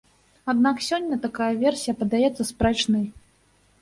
Аднак сёння такая версія падаецца спрэчнай.